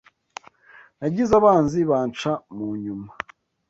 Nagize abanzi banca mu nyuma